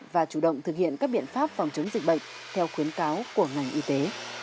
và chủ động thực hiện các biện pháp phòng chống dịch bệnh theo khuyến cáo của ngành y tế